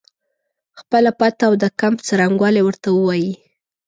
خپله پته او د کمپ څرنګوالی ورته ووایي.